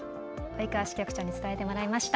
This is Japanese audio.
及川支局長に伝えてもらいました。